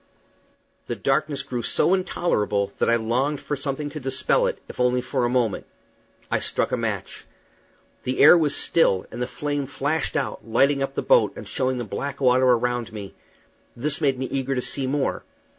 The darkness grew so intolerable that I longed for something to dispel it, if only for a moment. I struck a match. The air was still, and the flame flashed out, lighting up the boat and showing the black water around me. This made me eager to see more.